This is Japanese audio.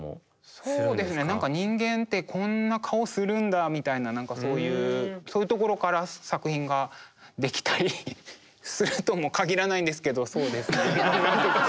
そうですね何か人間ってこんな顔するんだみたいな何かそういうところから作品ができたりするとも限らないんですけどそうですね。